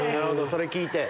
それ聞いて。